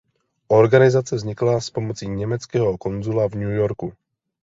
Organizace vznikla s pomocí německého konzula v New Yorku.